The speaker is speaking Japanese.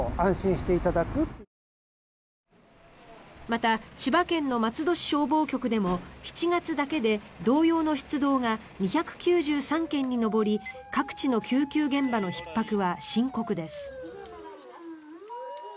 また千葉県の松戸市消防局でも７月だけで同様の出動が２９３件に上り各地の救急現場のひっ迫は深刻です。